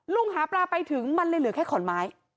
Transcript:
หาปลาไปถึงมันเลยเหลือแค่ขอนไม้